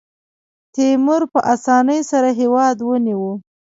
تیمور په اسانۍ سره هېواد ونیو.